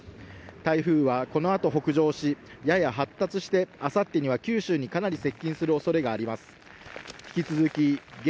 台風はこのあと北上し、やや発達して、あさってには九州にかなり接近するおそれがあります。